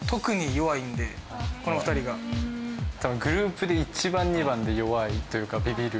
多分グループで一番二番で弱いというかビビる。